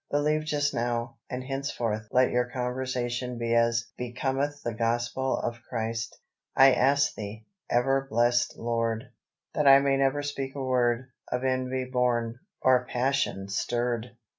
Believe just now, and henceforth "let your conversation be as becometh the gospel of Christ." "I ask Thee, ever blessed Lord, That I may never speak a word, Of envy born, or passion stirred.